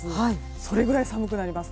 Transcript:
それぐらい寒くなります。